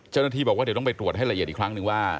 เจ้าหน้าที่บอกว่าเดี๋ยวต้องไปตรวจให้ละเอียดอีกครั้งหนึ่งว่า